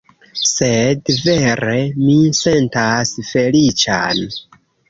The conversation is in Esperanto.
Sed vere mi sentas feliĉan